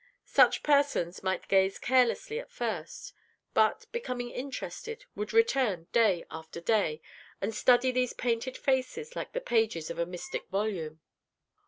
Such persons might gaze carelessly at first, but, becoming interested, would return day after day, and study these painted faces like the pages of a mystic volume.